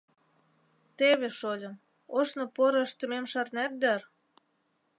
— Теве, шольым... ожно поро ыштымем шарнет дыр?..